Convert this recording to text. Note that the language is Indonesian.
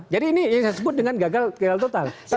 jadi ini yang saya sebut dengan gagal total